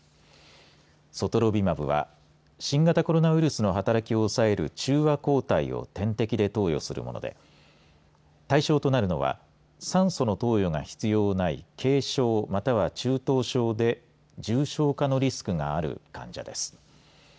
ソトロビマブは新型コロナウイルスの働きを抑える中和抗体を点滴で投与するもので対象となるものは酸素の投与が必要ない軽症または中等症で重症化のリスクがある患者です。